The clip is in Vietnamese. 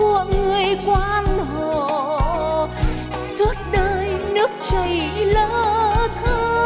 nó ngừng vắng trong lòng